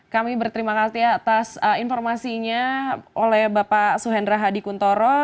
kami berterima kasih atas informasinya oleh bapak suhendra hadi kuntoro